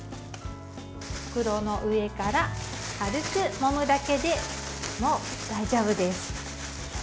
袋の上から軽くもむだけでも大丈夫です。